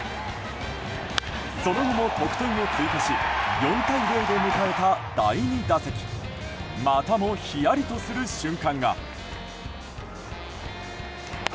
その後も得点を追加し４対０で迎えた第２打席またも、ひやりとする瞬間が。